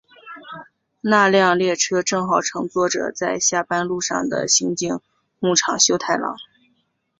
那辆列车正好乘坐着在下班路上的刑警木场修太郎。